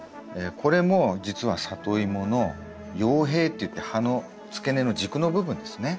これも実はサトイモの葉柄っていって葉の付け根の軸の部分ですね。